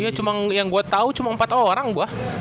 iya cuma yang gue tau cuma empat orang gue